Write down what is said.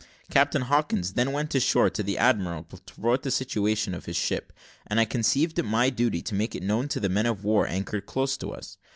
Captain Hawkins then went on shore to the admiral, to report the situation of his ship, and I conceived it my duty to make it known to the men of war anchored close to us.